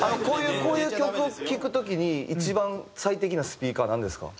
こういう曲を聴く時に一番最適なスピーカーはなんですか？